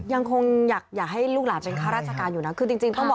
ยังคงอยากให้ลูกหลานเป็นค่าราชการอยู่นะ